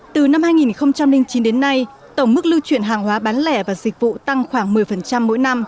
từ năm hai nghìn chín đến nay tổng mức lưu chuyển hàng hóa bán lẻ và dịch vụ tăng khoảng một mươi mỗi năm